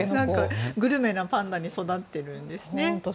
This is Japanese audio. グルメなパンダに育ってるんですね。